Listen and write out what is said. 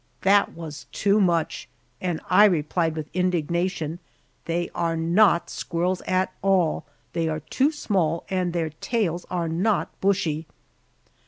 That was too much, and I replied with indignation, "They are not squirrels at all; they are too small and their tails are not bushy."